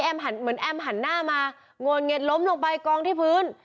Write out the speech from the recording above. เหมือนแอมหันหน้ามางวนเง็ดล้มลงไปกองที่พื้น